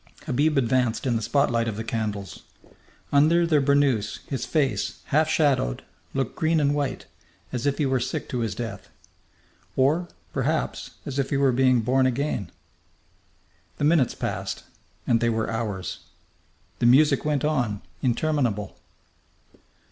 Habib advanced in the spotlight of the candles. Under the burnoose his face, half shadowed, looked green and white, as if he were sick to his death. Or, perhaps, as if he were being born again. The minutes passed, and they were hours. The music went on, interminable.